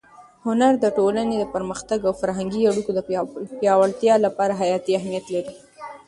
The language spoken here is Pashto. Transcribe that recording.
هنر د ټولنې د پرمختګ او فرهنګي اړیکو د پیاوړتیا لپاره حیاتي اهمیت لري.